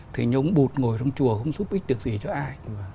thì nhống bụt ngồi trong chùa không giúp ích được gì cho ai